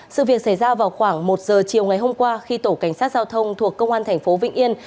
sự việc xảy ra vào khoảng một giờ chiều ngày hôm qua khi tổ cảnh sát giao thông thuộc công an thành phố vĩnh yên